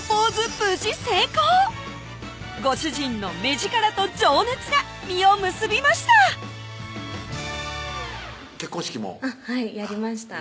無事成功ご主人の目ヂカラと情熱が実を結びました結婚式もはいやりました